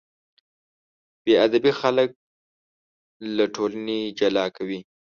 بېادبي خلک له ټولنې جلا کوي.